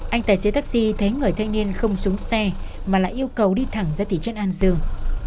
anh tài xế taxi thấy người thanh niên không xuống xe mà lại yêu cầu đi thẳng ra thị trấn an dương